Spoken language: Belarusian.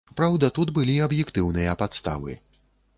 Праўда, тут былі аб'ектыўныя падставы.